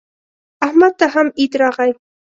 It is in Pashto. احمد ته هم عید راغی.